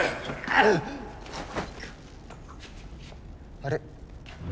あれ？